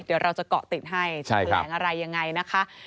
เดี๋ยวเราจะเกาะติดให้จะแถลงอะไรยังไงนะคะ